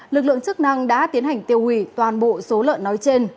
lực lượng chức năng đã tiến hành tiêu hủy toàn bộ số lợn nói trên